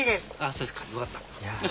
そうですかよかった。